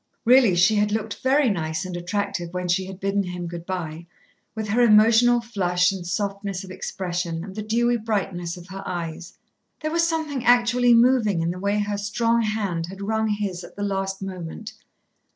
Really she had looked very nice and attractive when she had bidden him good by, with her emotional flush and softness of expression and the dewy brightness of her eyes. There was something actually moving in the way her strong hand had wrung his at the last moment.